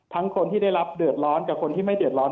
คนที่ได้รับเดือดร้อนกับคนที่ไม่เดือดร้อน